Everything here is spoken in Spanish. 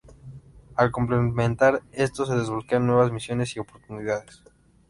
Al completar esto se desbloquean nuevas misiones y oportunidades.